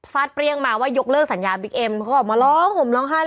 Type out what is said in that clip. เปรี้ยงมาว่ายกเลิกสัญญาบิ๊กเอ็มเขาออกมาร้องห่มร้องไห้